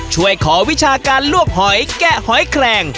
ช่วยขอวิชาการลวกหอยแกะหอยแคลง